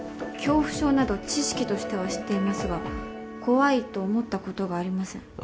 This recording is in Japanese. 恐怖症など知識としては知っていますが怖いと思ったことがありません。